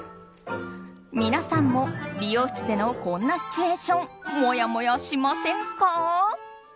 皆さんも、美容室でのこんなシチュエーションもやもやしませんか？